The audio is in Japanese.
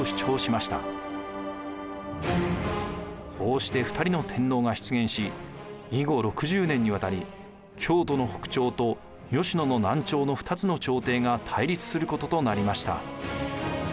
こうして２人の天皇が出現し以後６０年にわたり京都の北朝と吉野の南朝の二つの朝廷が対立することとなりました。